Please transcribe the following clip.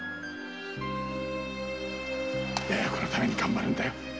幼子のために頑張るんだよ。